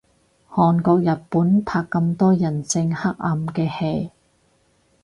韓國日本拍咁多人性黑暗嘅戲